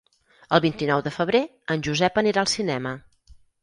El vint-i-nou de febrer en Josep anirà al cinema.